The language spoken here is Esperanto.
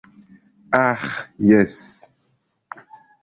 Aĥ jes.